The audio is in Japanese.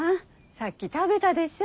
さっき食べたでしょ？